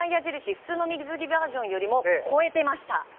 普通の水着バージョンよりも超えてました。